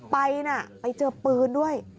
ไปนะไปเจอปืนด้วย